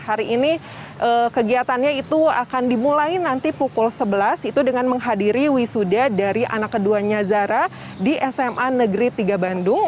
hari ini kegiatannya itu akan dimulai nanti pukul sebelas itu dengan menghadiri wisuda dari anak keduanya zara di sma negeri tiga bandung